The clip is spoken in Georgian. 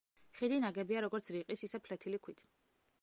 ხიდი ნაგებია, როგორც რიყის, ისე ფლეთილი ქვით.